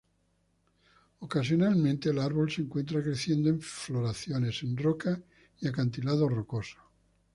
Ocasionalmente, el árbol se encuentra creciendo en floraciones en roca y acantilados rocosos.